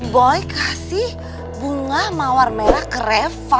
boy kasih bunga mawar merah ke reva